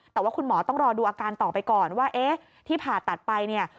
แต่ว่าคุณหมอต้องรอดูอาการต่อไปก่อนว่าเอ๊ะที่ผ่าตัดไปเนี่ย